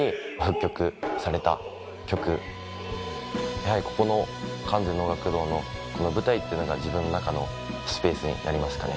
やはりここの観世能楽堂のこの舞台っていうのが自分の中のスペースになりますかね。